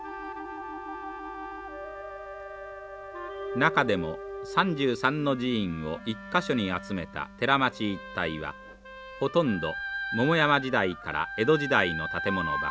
中でも３３の寺院を１か所に集めた寺町一帯はほとんど桃山時代から江戸時代の建物ばかり。